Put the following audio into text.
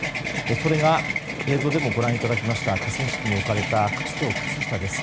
それが、映像でもご覧いただきました河川敷に置かれた靴と靴下です。